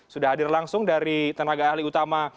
sudah hadir langsung dari tenaga ahli utama